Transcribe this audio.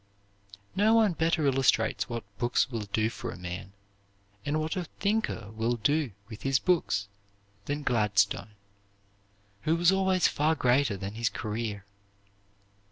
No one better illustrates what books will do for a man, and what a thinker will do with his books, than Gladstone, who was always far greater than his career.